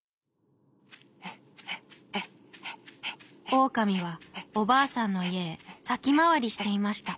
オオカミはおばあさんのいえへさきまわりしていました。